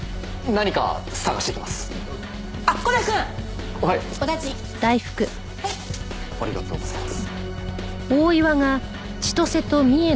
ありがとうございます。